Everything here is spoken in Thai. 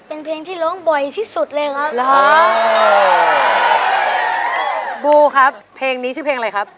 เป็นเพลงที่ร้องบ่อยที่สุดเลยครับร้องบูครับเพลงนี้ชื่อเพลงอะไรครับ